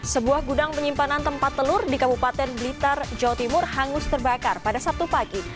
sebuah gudang penyimpanan tempat telur di kabupaten blitar jawa timur hangus terbakar pada sabtu pagi